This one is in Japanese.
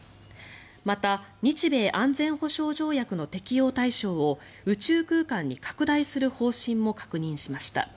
また日米安全保障条約の適用対象を宇宙空間に拡大する方針も確認しました。